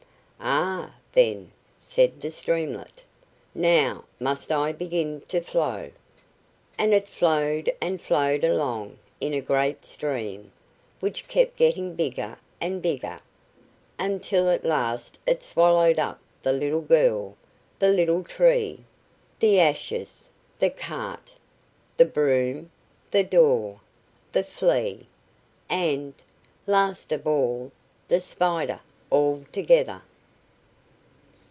"Ah, then," said the streamlet, "now must I begin to flow." And it flowed and flowed along, in a great stream, which kept getting bigger and bigger, until at last it swallowed up the little girl, the little tree, the ashes, the cart, the broom, the door, the Flea, and, last of all, the Spider, all together.